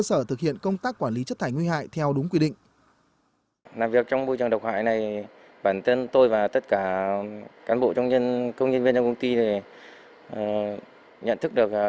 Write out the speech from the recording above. một cách đảm bảo an toàn nhất